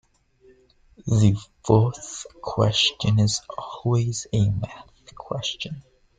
The fourth question is always a math question.